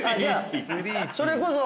それこそ。